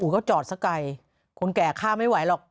น่ารักมาก